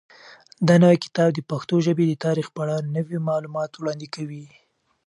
دا نوی کتاب د پښتو ژبې د تاریخ په اړه نوي معلومات وړاندې کوي.